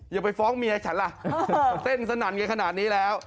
อย่าไปฟ้องเมียฉันล่ะเต้นสนั่นกันขนาดนี้แล้ว